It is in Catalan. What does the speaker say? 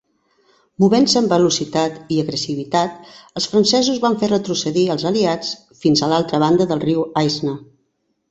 Movent-se amb velocitat i agressivitat, els francesos van fer retrocedir els Aliats fins a l'altra banda del riu Aisne.